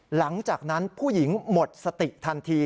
หลังจากนั้นผู้หญิงหมดสติทันที